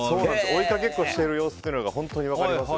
追いかけっこしている様子が本当に分かります。